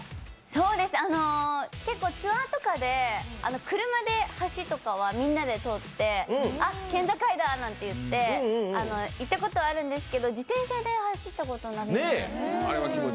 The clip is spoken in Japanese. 結構ツアーとかで車で橋とかはみんなで通ってあっ、県境だって言って、行ったことはあるんですけど自転車で走ったことはないです。